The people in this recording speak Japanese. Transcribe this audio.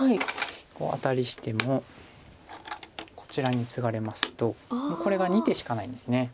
こうアタリしてもこちらにツガれますとこれが２手しかないんです。